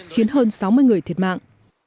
khiến hơn sáu mươi người thiệt mạng